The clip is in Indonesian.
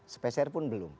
spcr pun belum